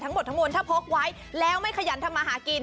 ทั้งหมดทั้งมวลถ้าพกไว้แล้วไม่ขยันทำมาหากิน